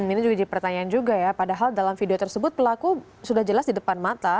ini juga jadi pertanyaan juga ya padahal dalam video tersebut pelaku sudah jelas di depan mata